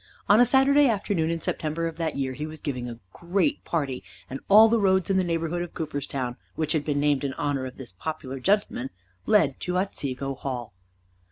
On a Saturday afternoon in September of that year he was giving a great party, and all roads in the neighborhood of Cooperstown, which had been named in honor of this popular gentleman, led to Otsego Hall.